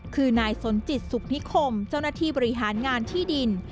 คือนายสนจิตสุขนิคมเจ้าหน้าที่บริหารงานที่ดิน